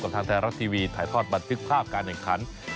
ทางไทยรัฐทีวีถ่ายทอดบันทึกภาพการแข่งขัน